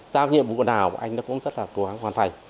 giao nhiệm vụ nào của anh cũng rất là cố gắng hoàn thành